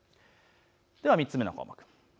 では３つ目の項目。